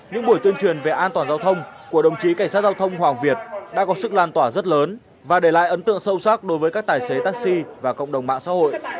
những buổi tuyên truyền về an toàn giao thông của đồng chí cảnh sát giao thông hoàng việt đã có sức lan tỏa rất lớn và để lại ấn tượng sâu sắc đối với các tài xế taxi và cộng đồng mạng xã hội